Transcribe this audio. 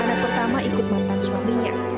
anak pertama ikut mantan suaminya